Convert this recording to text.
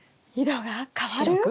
色が変わる？